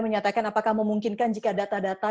menyatakan apakah memungkinkan jika data data